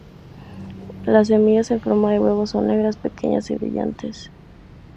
Las semillas en forma de huevo, son negras, pequeñas y brillantes.